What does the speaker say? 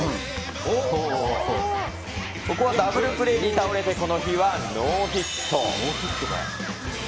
ここはダブルプレーに倒れて、この日はノーヒット。